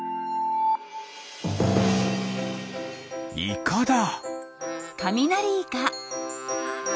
イカだ。